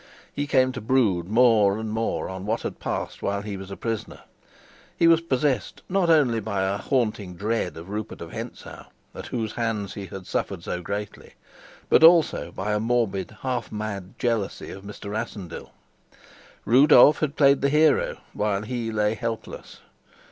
He came to brood more and more on what had passed while he was a prisoner; he was possessed not only by a haunting dread of Rupert of Hentzau, at whose hands he had suffered so greatly, but also by a morbid, half mad jealousy of Mr. Rassendyll. Rudolf had played the hero while he lay helpless.